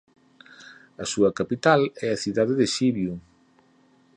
A súa capital é a cidade de Sibiu.